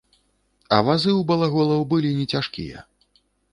А вазы ў балаголаў былі не цяжкія.